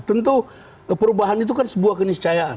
tentu perubahan itu kan sebuah keniscayaan